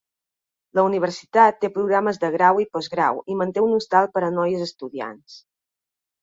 La universitat té programes de grau i postgrau i manté un hostal per a noies estudiants.